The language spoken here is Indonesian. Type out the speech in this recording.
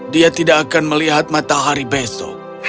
dia tidak akan melihat matahari besok